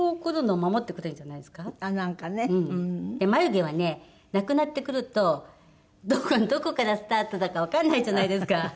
で眉毛はねなくなってくるとどこからスタートだかわからないじゃないですか。